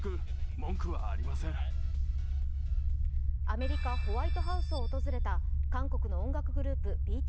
アメリカ・ホワイトハウスを訪れた韓国の音楽グループ、ＢＴＳ。